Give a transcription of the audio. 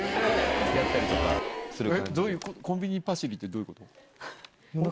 コンビニにパシリってどういうこと？